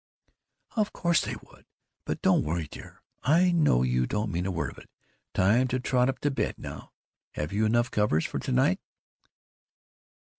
"Of course they would. But don't worry, dear; I know you don't mean a word of it. Time to trot up to bed now. Have you enough covers for to night?"